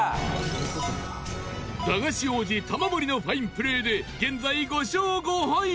駄菓子王子・玉森のファインプレーで現在、５勝５敗。